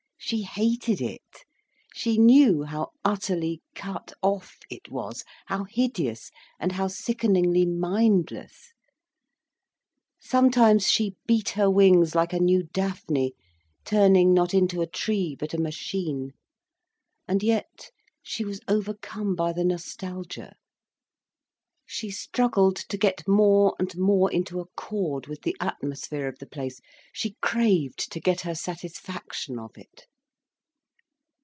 She hated it, she knew how utterly cut off it was, how hideous and how sickeningly mindless. Sometimes she beat her wings like a new Daphne, turning not into a tree but a machine. And yet, she was overcome by the nostalgia. She struggled to get more and more into accord with the atmosphere of the place, she craved to get her satisfaction of it.